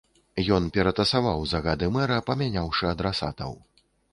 Ён ператасаваў загады мэра, памяняўшы адрасатаў.